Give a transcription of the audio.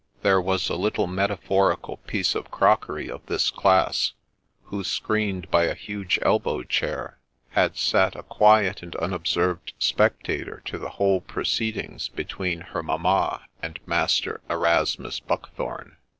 There was a little metaphorical piece of crockery of this class, who, screened by a huge elbow chair, had sat a quiet and unobserved spectator of the whole proceedings between her mamma and Master Erasmus Buckthorne.